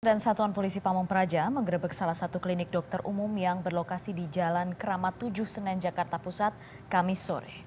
dan satuan polisi pamung praja mengerebek salah satu klinik dokter umum yang berlokasi di jalan keramat tujuh senen jakarta pusat kamisore